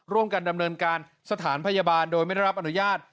ร่วมกันดำเนินการสถานพยาบาลโดยไม่ได้รับอนุญาต